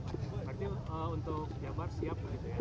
berarti untuk jabar siap gitu ya